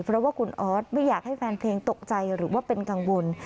เพราะว่าคุณออสไม่อยากให้แฟนเพลงตกใจหรือว่าเป็นกังวล